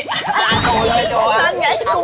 ทอดโชว์ทอดโชว์